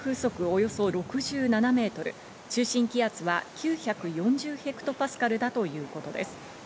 およそ６７メートル、中心気圧は９４０ヘクトパスカルだということです。